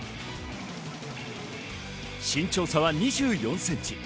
身長差は２４ｃｍ。